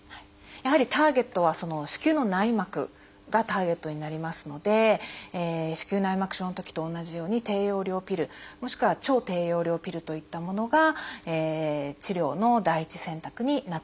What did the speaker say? やはりターゲットはその子宮の内膜がターゲットになりますので子宮内膜症のときと同じように低用量ピルもしくは超低用量ピルといったものが治療の第一選択になってきます。